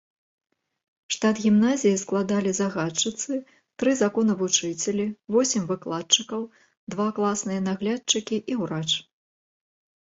Штат гімназіі складалі загадчыцы, тры законавучыцелі, восем выкладчыкаў, два класныя наглядчыкі і ўрач.